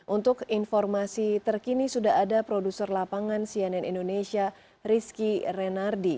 untuk informasi terkini sudah ada produser lapangan cnn indonesia rizky renardi